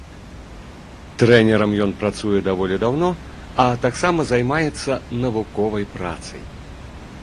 Трэнерам ён працуе даволі даўно, а таксама займаецца навуковай працай.